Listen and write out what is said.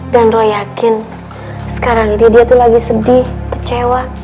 dan lu yakin sekarang dia tuh lagi sedih kecewa